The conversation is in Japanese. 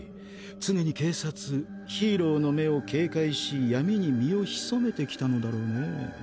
常に警察・ヒーローの目を警戒し闇に身を潜めてきたのだろうね。